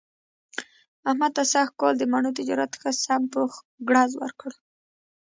احمد ته سږ کال د مڼو تجارت ښه سم پوخ ګړز ورکړ.